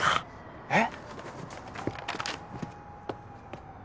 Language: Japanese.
えっ？